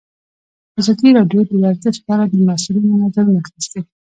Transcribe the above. ازادي راډیو د ورزش په اړه د مسؤلینو نظرونه اخیستي.